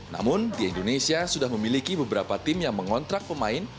namun di indonesia sudah memiliki beberapa tim yang mengontrak pemain